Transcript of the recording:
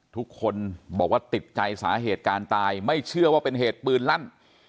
ทุกคนบอกว่าติดใจสาเหตุการณ์ตายไม่เชื่อว่าเป็นเหตุปืนลั่น